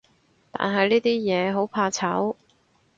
但係呢啲嘢，好怕醜